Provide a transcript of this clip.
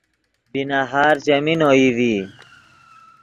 بی نہار چیمین اوئی ڤی